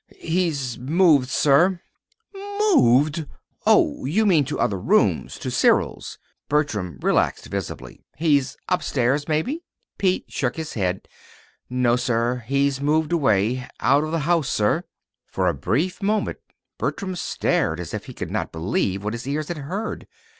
"He's moved, sir." "Moved! Oh, you mean to other rooms to Cyril's." Bertram relaxed visibly. "He's upstairs, maybe." Pete shook his head. "No, sir. He's moved away out of the house, sir." For a brief moment Bertram stared as if he could not believe what his ears had heard.